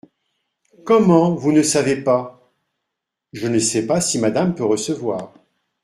Comment, vous ne savez pas ? Je ne sais pas si madame peut recevoir.